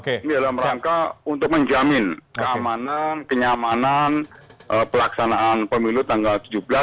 ini dalam rangka untuk menjamin keamanan kenyamanan pelaksanaan pemilu tanggal tujuh belas